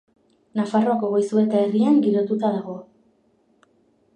Nafarroako Goizueta herrian girotuta dago.